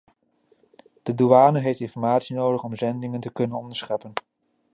De douane heeft informatie nodig om zendingen te kunnen onderscheppen.